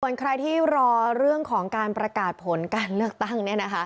ส่วนใครที่รอเรื่องของการประกาศผลการเลือกตั้ง